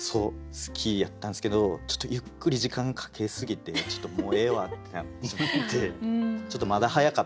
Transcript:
好きやったんですけどちょっとゆっくり時間かけすぎてちょっともうええわってなってしまって。